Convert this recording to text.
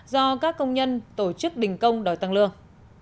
do các công nhân tổ chức đình công đòi tăng lương